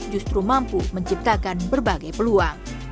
justru mampu menciptakan berbagai peluang